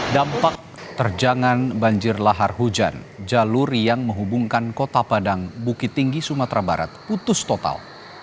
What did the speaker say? dampak terjangan banjir lahar hujan jalur yang menghubungkan kota padang bukit tinggi sumatera barat putus total